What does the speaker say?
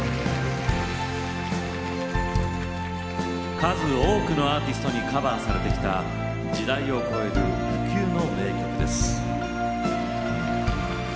数多くのアーティストにカバーされてきた時代を超える不朽の名曲です。